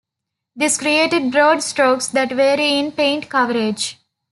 This created broad strokes that vary in paint coverage.